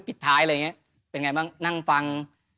ปิดท้ายอะไรอย่างนี้เป็นไงบ้างนั่งฟัง